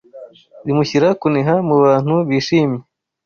rimushyira kuniha mubantu bishimye